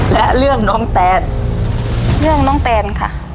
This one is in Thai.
และเรื่องน้องแตนเรื่องน้องแตนค่ะ